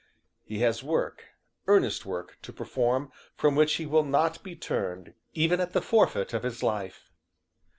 He has work, earnest work, to perform, from which he will not be turned, even at the forfeit of his life.